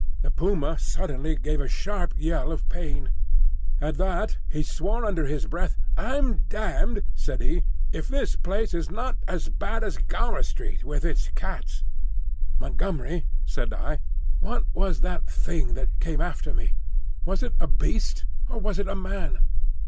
The puma suddenly gave a sharp yell of pain. At that he swore under his breath. "I'm damned," said he, "if this place is not as bad as Gower Street, with its cats." "Montgomery," said I, "what was that thing that came after me? Was it a beast or was it a man?"